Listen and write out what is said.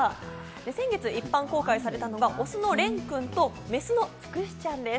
先月、一般公開されたのが雄のれんくんと雌のつくしちゃんです。